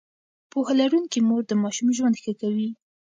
پوهه لرونکې مور د ماشوم ژوند ښه کوي.